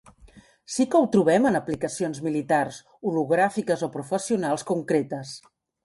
Sí que ho trobem en aplicacions militars, hologràfiques o professionals concretes.